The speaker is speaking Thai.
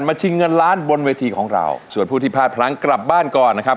ชิงเงินล้านบนเวทีของเราส่วนผู้ที่พลาดพลั้งกลับบ้านก่อนนะครับ